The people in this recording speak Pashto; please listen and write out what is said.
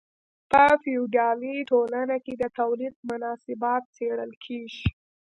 په فیوډالي ټولنه کې د تولید مناسبات څیړل کیږي.